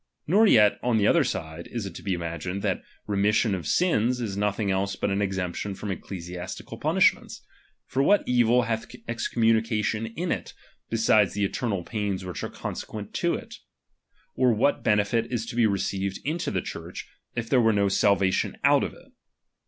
Nor yet on the other side is it to be imagined, that remission of sins is nothing else but an exemption from ecclesiastical punishments. For what evil hath excommunication in it, beside the eternal pains which are consequent to it f Or what benefit is to be received into the Church, if there were salvation out of it